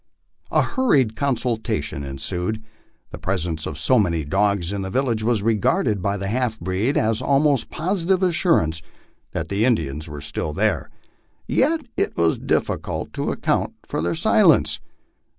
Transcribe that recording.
A hurried consultation ensued. The presence of so many clogs in the village was regarded by the half breed as almost positive assurance that the Indians were still there. Yet it was difficult to account for their silence.